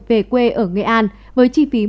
về quê ở nghệ an với chi phí